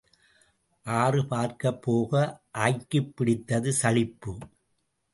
ஆறு பார்க்கப் போக ஆய்க்குப் பிடித்தது சளிப்பு.